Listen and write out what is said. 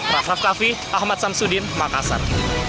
rafa kaffi ahmad samsudin makassar